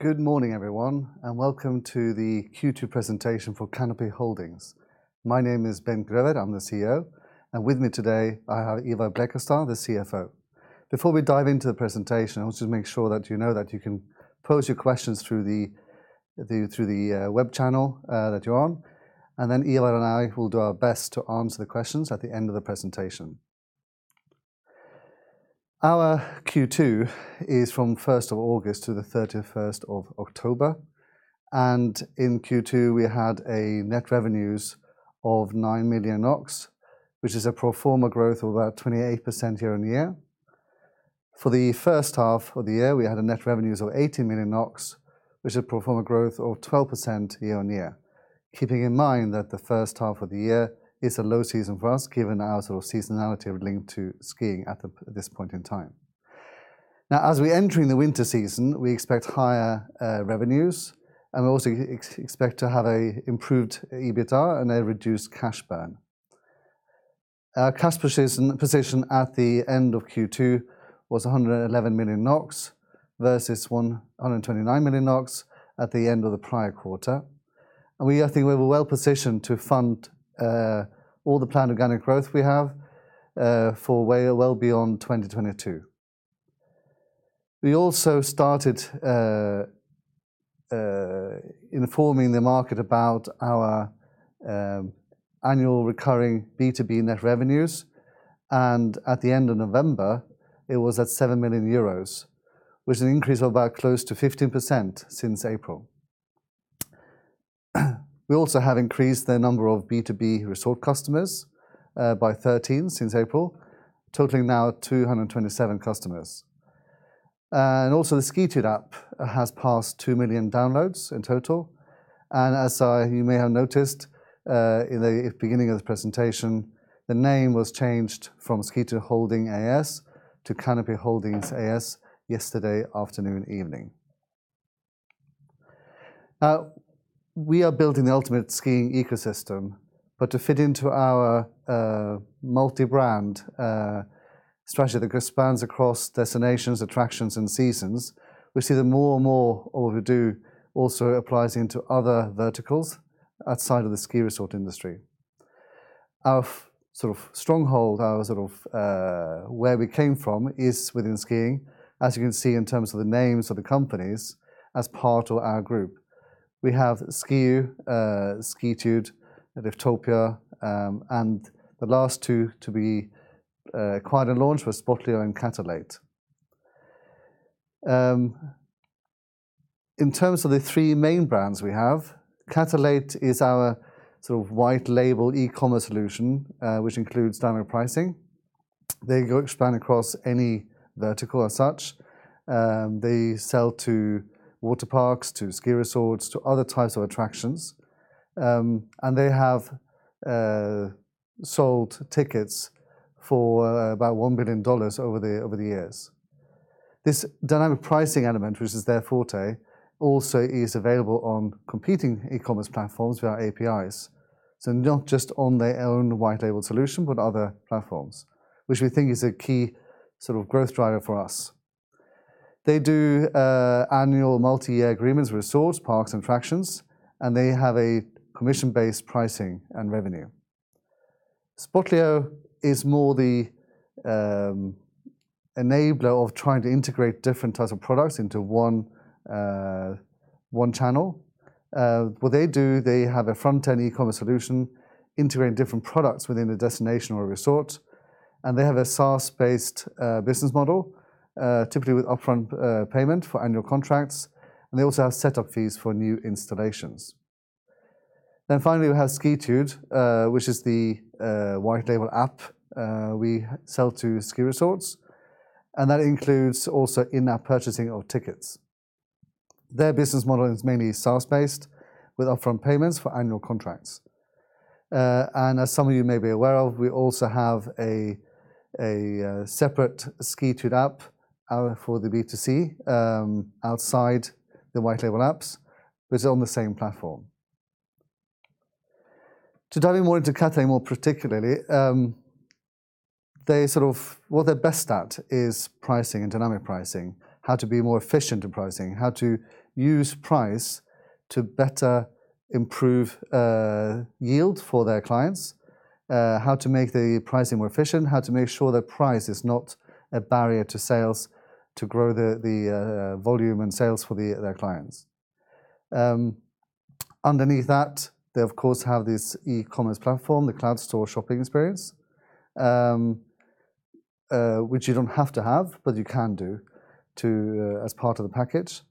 Good morning, everyone, and welcome to the Q2 presentation for Canopy Holdings. My name is Bent Grøver, I'm the CEO, and with me today I have Ivar Blekastad, the CFO. Before we dive into the presentation, I want to make sure that you know that you can pose your questions through the web channel that you're on, and then Ivar and I will do our best to answer the questions at the end of the presentation. Our Q2 is from first of August to the thirty-first of October, and in Q2 we had net revenues of 9 million, which is a pro forma growth of about 28% year-over-year. For the first half of the year, we had net revenues of 18 million NOK, which is a pro forma growth of 12% year-on-year, keeping in mind that the first half of the year is a low season for us, given our sort of seasonality linked to skiing at this point in time. Now, as we're entering the winter season, we expect higher revenues and we also expect to have an improved EBITDA and a reduced cash burn. Our cash position at the end of Q2 was 111 million NOK versus 129 million NOK at the end of the prior quarter, and I think we were well positioned to fund all the planned organic growth we have for well beyond 2022. We also started informing the market about our annual recurring B2B net revenues, and at the end of November it was at 7 million euros, which is an increase of about close to 15% since April. We also have increased the number of B2B resort customers by 13 since April, totaling now 227 customers. Also, the Skitude app has passed two million downloads in total and as you may have noticed in the beginning of the presentation, the name was changed from Skitude Holding AS to Canopy Holdings AS yesterday afternoon, evening. We are building the ultimate skiing ecosystem, but to fit into our multi-brand strategy that spans across destinations, attractions and seasons, we see that more and more of what we do also applies into other verticals outside of the ski resort industry. Our sort of stronghold, where we came from is within skiing, as you can see in terms of the names of the companies as part of our group. We have Skioo, Skitude, Liftopia, and the last two to be acquired and launched was Spotlio and Catalate. In terms of the three main brands we have, Catalate is our sort of white label e-commerce solution, which includes dynamic pricing. They expand across any vertical as such. They sell to water parks, to ski resorts, to other types of attractions, and they have sold tickets for about $1 billion over the years. This dynamic pricing element, which is their forte, also is available on competing e-commerce platforms via APIs. Not just on their own white label solution, but other platforms, which we think is a key sort of growth driver for us. They do annual multi-year agreements with resorts, parks, attractions, and they have a commission-based pricing and revenue. Spotlio is more the enabler of trying to integrate different types of products into one channel. What they do, they have a front-end e-commerce solution integrating different products within a destination or a resort, and they have a SaaS-based business model typically with upfront payment for annual contracts, and they also have setup fees for new installations. Finally we have Skioo, which is the white label app we sell to ski resorts, and that includes also in-app purchasing of tickets. Their business model is mainly SaaS-based with upfront payments for annual contracts. As some of you may be aware of, we also have a separate Skioo app for the B2C outside the white label apps, but it's on the same platform. To dive in more into Catalate more particularly, what they're best at is pricing and dynamic pricing, how to be more efficient in pricing, how to use price to better improve yield for their clients, how to make the pricing more efficient, how to make sure that price is not a barrier to sales to grow the volume and sales for their clients. Underneath that, they of course have this e-commerce platform, the Cloud Store shopping experience, which you don't have to have, but you can do so as part of the package.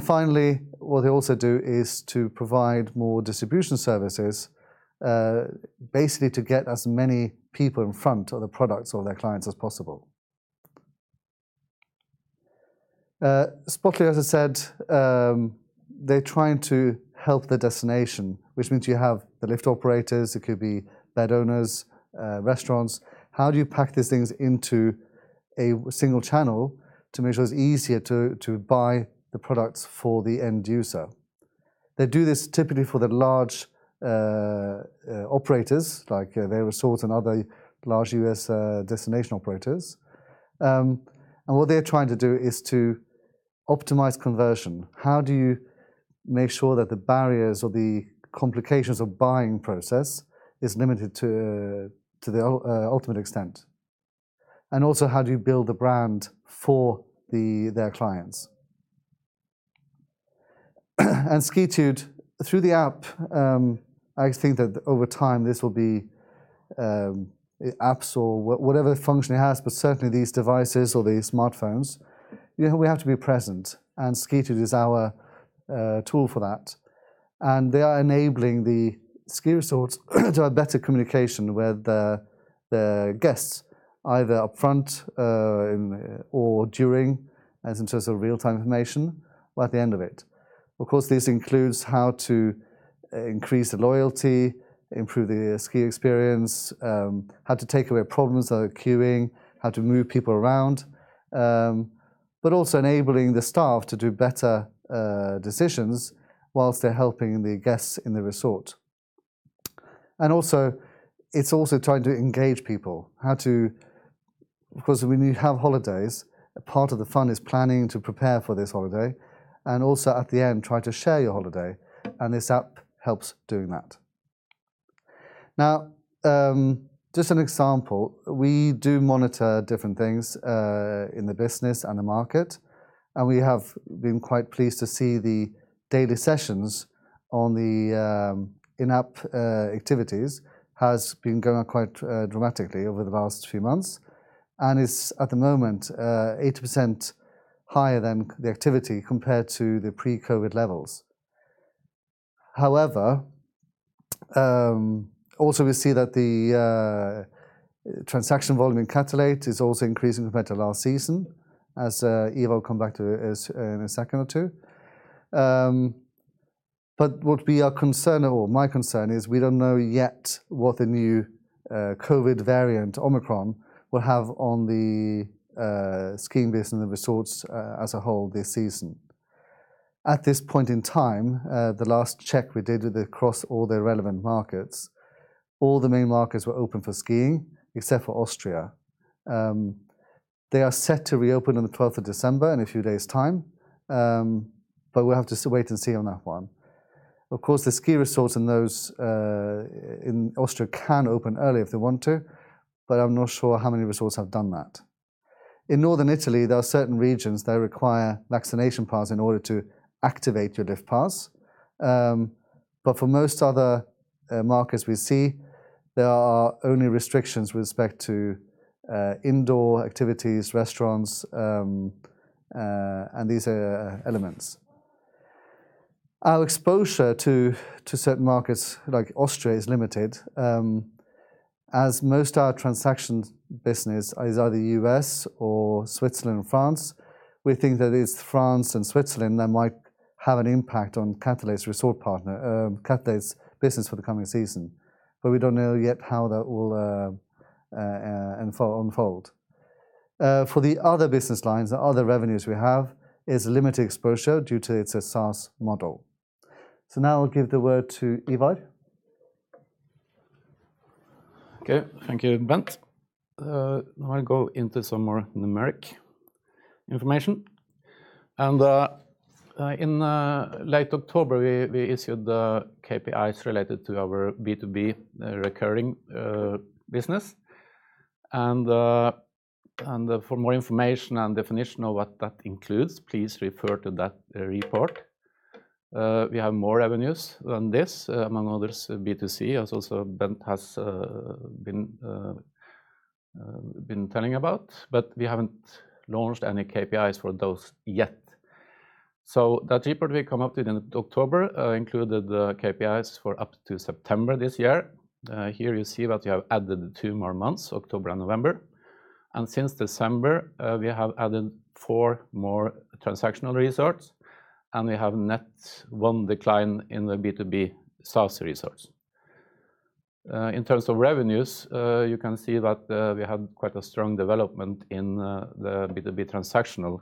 Finally, what they also do is to provide more distribution services, basically to get as many people in front of the products or their clients as possible. Spotlio, as I said, they're trying to help the destination, which means you have the lift operators, it could be bed owners, restaurants. How do you pack these things into a single channel to make sure it's easier to buy the products for the end user? They do this typically for the large operators like their resorts and other large U.S. destination operators. What they're trying to do is to optimize conversion. How do you make sure that the barriers or the complications of buying process is limited to the ultimate extent? Also, how do you build the brand for their clients? Skioo, through the app, I think that over time this will be, apps or whatever function it has, but certainly these devices or these smartphones, you know, we have to be present, and Skioo is our tool for that, and they are enabling the ski resorts to have better communication with their guests, either upfront, in or during as in terms of real-time information or at the end of it. Of course, this includes how to increase the loyalty, improve the ski experience, how to take away problems like queuing, how to move people around, but also enabling the staff to do better decisions while they're helping the guests in the resort. It's also trying to engage people. How to... Of course, when you have holidays, a part of the fun is planning to prepare for this holiday and also at the end, try to share your holiday, and this app helps doing that. Now, just an example. We do monitor different things in the business and the market, and we have been quite pleased to see the daily sessions on the in-app activities has been going up quite dramatically over the last few months and is at the moment 80% higher than the activity compared to the pre-COVID levels. However, also we see that the transaction volume in Catalate is also increasing compared to last season, as Ivar will come back to in a second or two. What we are concerned or my concern is we don't know yet what the new COVID variant, Omicron, will have on the skiing business and the resorts as a whole this season. At this point in time, the last check we did across all the relevant markets, all the main markets were open for skiing except for Austria. They are set to reopen on the twelfth of December in a few days' time, but we'll have to wait and see on that one. Of course, the ski resorts and those in Austria can open early if they want to, but I'm not sure how many resorts have done that. In Northern Italy, there are certain regions that require vaccination pass in order to activate your lift pass. For most other markets we see, there are only restrictions with respect to indoor activities, restaurants, and these elements. Our exposure to certain markets like Austria is limited, as most of our transactions business is either U.S. or Switzerland, France. We think that it's France and Switzerland that might have an impact on Catalate's resort partner, Catalate's business for the coming season. We don't know yet how that will unfold. For the other business lines, the other revenues we have is limited exposure due to its SaaS model. Now I'll give the word to Ivar. Okay. Thank you, Bent. Now I'll go into some more numeric information. In late October, we issued the KPIs related to our B2B recurring business. For more information and definition of what that includes, please refer to that report. We have more revenues than this, among others, B2C, as also Bent has been telling about, but we haven't launched any KPIs for those yet. The report we come up with in October included the KPIs for up to September this year. Here you see that we have added two more months, October and November. Since December, we have added four more transactional resorts, and we have net one decline in the B2B SaaS resorts. In terms of revenues, you can see that we have quite a strong development in the B2B transactional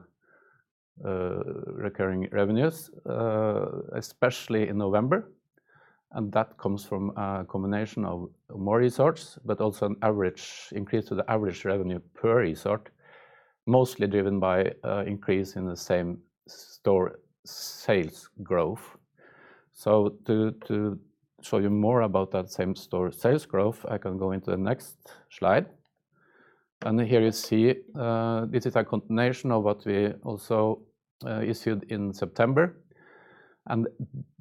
recurring revenues, especially in November. That comes from a combination of more resorts, but also an average increase to the average revenue per resort, mostly driven by increase in the same-store sales growth. To show you more about that same-store sales growth, I can go into the next slide. Here you see, this is a continuation of what we also issued in September.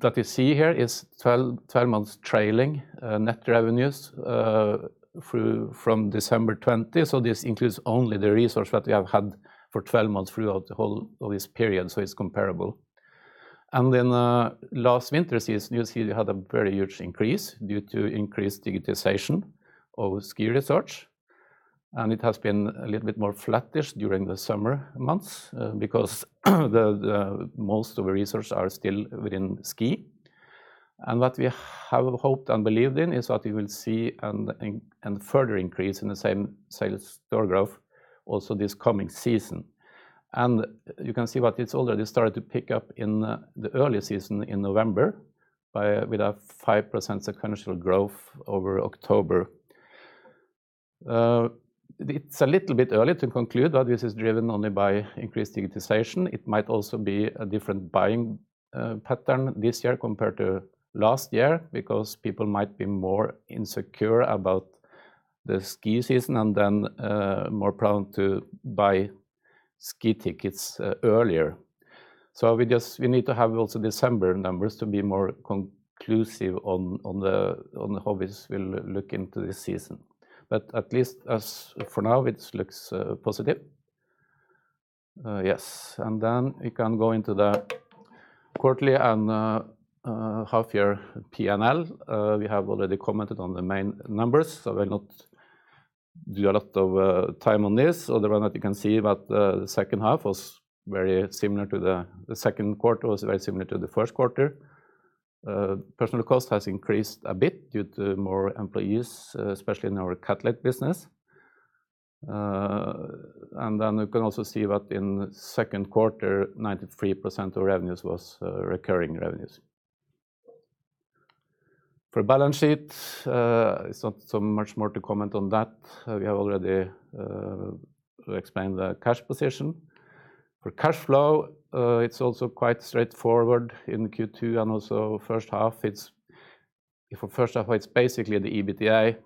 What you see here is 12 months trailing net revenues through from December 2020. This includes only the resorts that we have had for 12 months throughout the whole of this period, so it's comparable. Last winter season, you see we had a very huge increase due to increased digitization of ski resorts. It has been a little bit more flattish during the summer months because the most of the resorts are still within ski. What we have hoped and believed in is that we will see an and further increase in the same-store sales growth also this coming season. You can see that it's already started to pick up in the early season in November with a 5% sequential growth over October. It's a little bit early to conclude that this is driven only by increased digitization. It might also be a different buying pattern this year compared to last year because people might be more insecure about the ski season and then more prone to buy ski tickets earlier. We need to have also December numbers to be more conclusive on how this will look into this season. At least as for now, it looks positive. Yes. We can go into the quarterly and half year P&L. We have already commented on the main numbers, so I will not do a lot of time on this. Other than that, you can see that the second quarter was very similar to the first quarter. Personnel cost has increased a bit due to more employees, especially in our Catalate business. You can also see that in the second quarter, 93% of revenues was recurring revenues. For balance sheet, it's not so much more to comment on that. We have already explained the cash position. For cash flow, it's also quite straightforward in Q2 and also first half. For first half, it's basically the EBITDA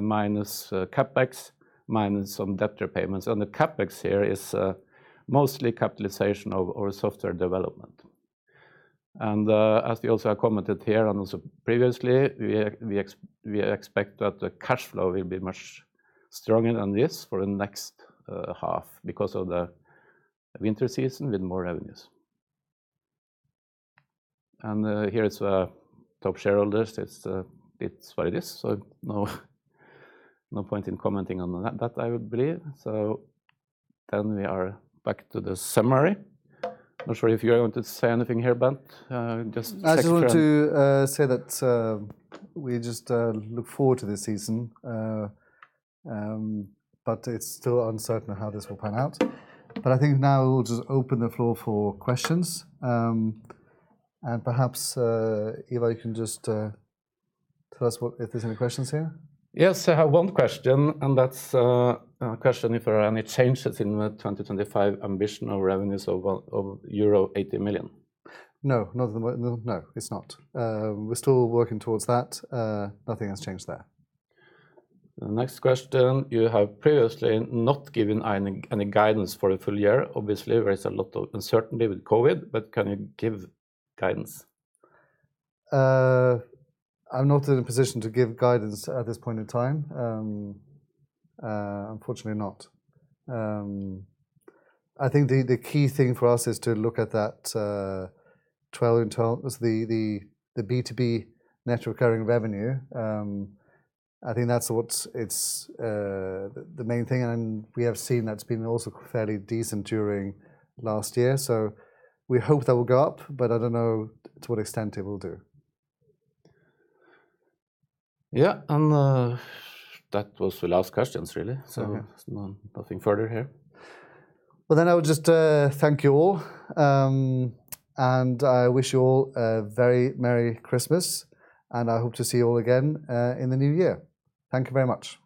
minus CapEx minus some debt repayments. The CapEx here is mostly capitalization of our software development. As we also have commented here and also previously, we expect that the cash flow will be much stronger than this for the next half because of the winter season with more revenues. Here is our top shareholders. It's what it is, so no point in commenting on that, I would believe. We are back to the summary. Not sure if you want to say anything here, Bent. Just- I just want to say that we just look forward to this season. It's still uncertain how this will pan out. I think now we'll just open the floor for questions. Perhaps, Ivar Blekastad, you can just tell us what if there's any questions here. Yes, I have one question, and that's a question if there are any changes in the 2025 ambition of revenues of euro 80 million. No. It's not. We're still working towards that. Nothing has changed there. Next question. You have previously not given any guidance for the full year. Obviously, there is a lot of uncertainty with COVID, but can you give guidance? I'm not in a position to give guidance at this point in time. Unfortunately not. I think the key thing for us is to look at that 12 and 12, the B2B net recurring revenue. I think that's what's it's the main thing, and we have seen that's been also fairly decent during last year. We hope that will go up, but I don't know to what extent it will do. Yeah. That was the last questions, really. Okay. Nothing further here. Well, I would just thank you all. I wish you all a very merry Christmas, and I hope to see you all again in the new year. Thank you very much.